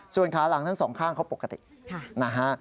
ส่วนขาหลังทั้งสองข้างเขาปกตินะฮะ